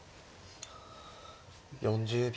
４０秒。